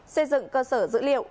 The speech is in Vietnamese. xây dựng cơ sở dữ liệu